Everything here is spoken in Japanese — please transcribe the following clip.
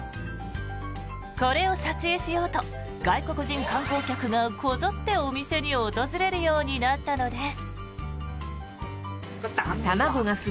これを撮影しようと外国人観光客がこぞってお店に訪れるようになったのです。